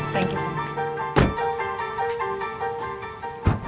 terima kasih sama sama